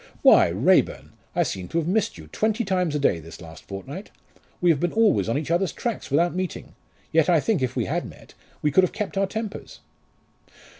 "Why, Raeburn, I seem to have missed you twenty times a day this last fortnight. We have been always on each other's tracks without meeting. Yet I think, if we had met, we could have kept our tempers."